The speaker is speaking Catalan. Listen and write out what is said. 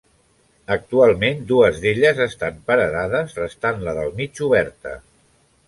Actualment dues d'elles estan paredades, restant la del mig oberta.